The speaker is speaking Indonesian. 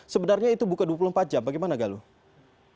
sebenarnya itu buka dua puluh empat jam bagaimana galuh